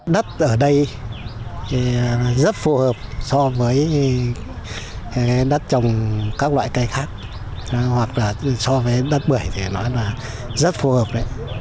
đất ở đây rất phù hợp so với đất trồng các loại cây khác hoặc là so với đất bưởi thì nói là rất phù hợp đấy